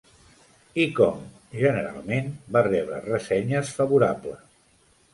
"I Com" generalment va rebre ressenyes favorables.